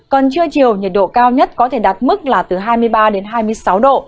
còn trưa chiều nhiệt độ cao nhất có thể đạt mức là từ hai mươi ba đến hai mươi sáu độ